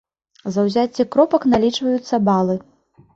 За ўзяцце кропак налічваюцца балы.